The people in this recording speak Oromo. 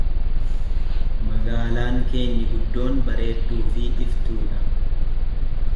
Magaalaan keenya guddoon bareedduu fi iftuu dha.